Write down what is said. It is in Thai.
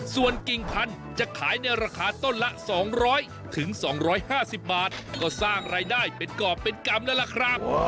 ส่วนกิ่งพันธุ์จะขายในราคาต้นละ๒๐๐๒๕๐บาทก็สร้างรายได้เป็นกรอบเป็นกรรมแล้วล่ะครับ